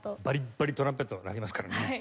バリッバリトランペットが鳴りますからね。